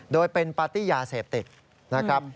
โดยเป็นปาร์ตี้ยาเสพติดนะครับ